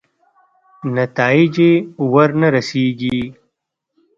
نتایجې ورنه رسېږي.